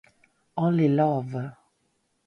Only Love